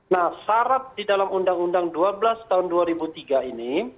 nah syarat di dalam undang undang dua belas tahun dua ribu tiga ini